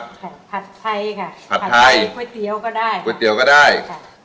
ผัดไทยค่ะผัดไทยก๋วยเตี๋ยวก็ได้ก๋วยเตี๋ยวก็ได้ค่ะ